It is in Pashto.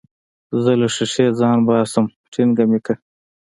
زه له ښيښې ځان باسم ټينګه مې که.